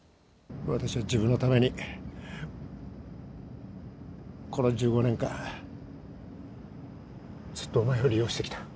私は自分のためにこの１５年間ずっとお前を利用してきた